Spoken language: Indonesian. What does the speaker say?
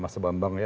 mas sebambang ya